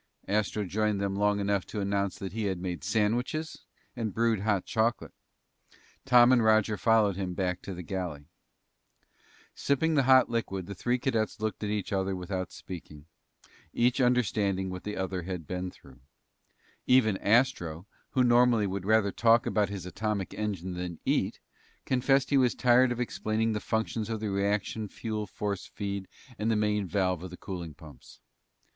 Astro joined them long enough to announce that he had made sandwiches and brewed hot chocolate. Tom and Roger followed him back to the galley. Sipping the hot liquid, the three cadets looked at each other without speaking, each understanding what the other had been through. Even Astro, who normally would rather talk about his atomic engine than eat, confessed he was tired of explaining the functions of the reaction fuel force feed and the main valve of the cooling pumps.